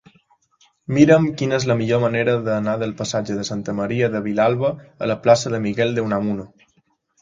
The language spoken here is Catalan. Mira'm quina és la millor manera d'anar del passatge de Santa Maria de Vilalba a la plaça de Miguel de Unamuno.